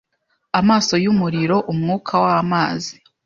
Amaso yumuriro umwuka wamazi